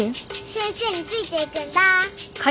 先生についていくんだ。